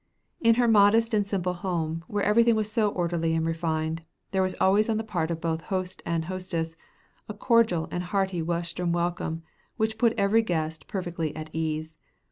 In her modest and simple home, where everything was so orderly and refined, there was always on the part of both host and hostess a cordial and hearty Western welcome which put every guest perfectly at ease.